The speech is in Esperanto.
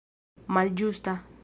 malĝusta